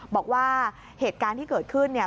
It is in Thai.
บอกว่าเหตุการณ์ที่เกิดขึ้นเนี่ย